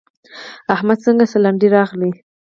احمده څنګه سالنډی راغلې؟!